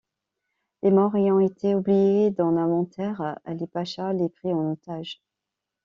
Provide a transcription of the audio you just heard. Les morts ayant été oubliés dans l'inventaire, Ali Pacha les prit en otage.